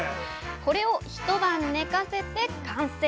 これを一晩寝かせて完成。